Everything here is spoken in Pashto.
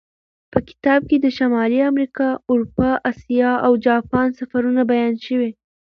په کتاب کې د شمالي امریکا، اروپا، اسیا او جاپان سفرونه بیان شوي.